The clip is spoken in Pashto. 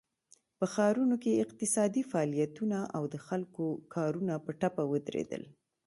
په ښارونو کې اقتصادي فعالیتونه او د خلکو کارونه په ټپه ودرېدل.